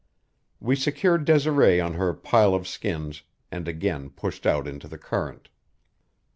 We secured Desiree on her pile of skins and again pushed out into the current.